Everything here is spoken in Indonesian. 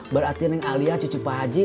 berarti ini yang alia cucu pak haji